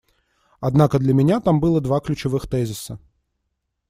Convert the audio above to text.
Однако для меня там было два ключевых тезиса.